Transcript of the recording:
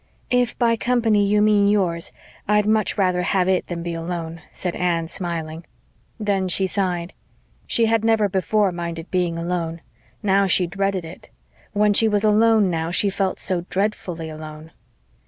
"If by company you mean yours I'd much rather have it than be alone," said Anne, smiling. Then she sighed. She had never before minded being alone. Now she dreaded it. When she was alone now she felt so dreadfully alone.